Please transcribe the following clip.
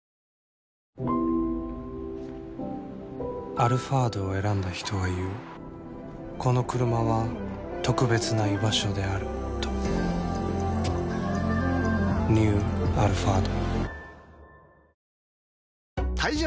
「アルファード」を選んだ人は言うこのクルマは特別な居場所であるとニュー「アルファード」